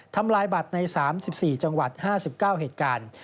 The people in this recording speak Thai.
ทำลายบัตรใน๓๔จังหวัด๕๙เหตุการณ์